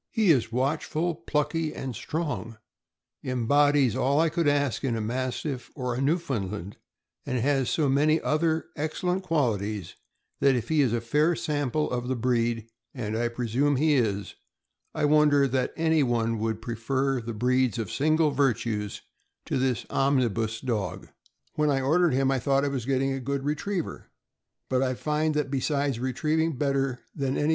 " He is watchful, plucky, and strong; embodies all I could ask in a Mastiff or a Newfoundland, and has so many other excellent qualities, that if he is a fair sample of the breed (and I presume he is), I wonder that anyone would prefer the breeds of single virtues to this ' omnibus ' dog. When I ordered him I thought I was getting a good retriever, but I find that, besides retrieving better than any THE CHESAPEAKE BAY DOG.